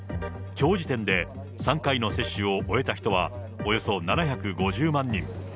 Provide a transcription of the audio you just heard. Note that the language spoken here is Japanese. きょう時点で、３回の接種を終えた人は、およそ７５０万人。